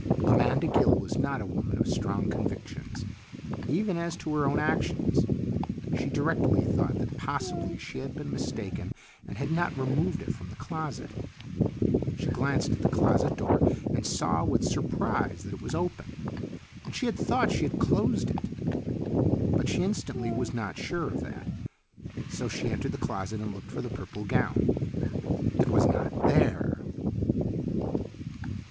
Amanda Gill was not a woman of strong convictions even as to her own actions. She directly thought that possibly she had been mistaken and had not removed it from the closet. She glanced at the closet door and saw with surprise that it was open, and she had thought she had closed it, but she instantly was not sure of that. So she entered the closet and looked for the purple gown. IT WAS NOT THERE!